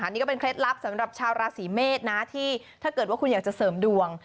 นี่ก็เป็นเคล็ดลับสำหรับชาวราศีเมษนะที่ถ้าเกิดว่าคุณอยากจะเสริมดวง